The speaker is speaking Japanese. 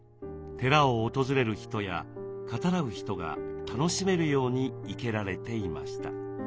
寺を訪れる人や語らう人が楽しめるように生けられていました。